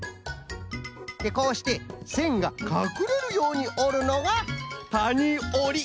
でこうしてせんがかくれるようおるのがたにおり。